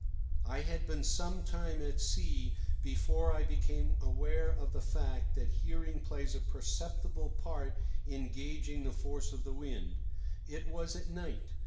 I had been some time at sea before I became aware of the fact that hearing plays a perceptible part in gauging the force of the wind. It was at night.